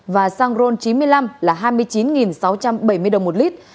và xăng ron chín mươi năm là hai mươi chín sáu trăm bảy mươi đồng một lít